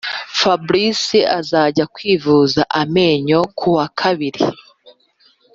Fabrice azajya kwivuza amenyo kuwakabiri